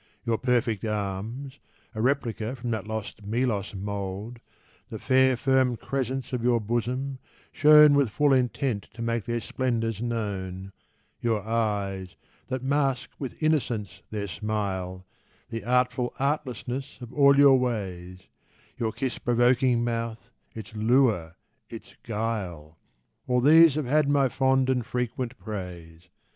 Your perfect arms (A replica from that lost Melos mould), The fair firm crescents of your bosom (shown With full intent to make their splendours known), Your eyes (that mask with innocence their smile), The (artful) artlessness of all your ways, Your kiss provoking mouth, its lure, its guile— All these have had my fond and frequent praise.